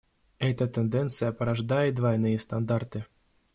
Эта тенденция порождает двойные стандарты.